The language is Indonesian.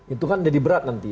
itu kan jadi berat nanti